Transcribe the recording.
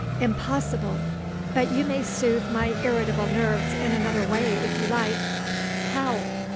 "Impossible! But you may soothe my irritable nerves in another way, if you like." "How?"